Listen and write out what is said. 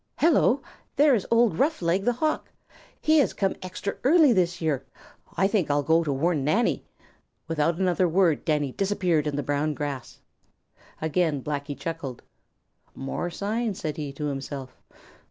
Hello! There is old Roughleg the Hawk! He has come extra early this year. I think I'll go back to warn Nanny." Without another word Danny disappeared in the brown grass. Again Blacky chuckled. "More signs," said he to himself.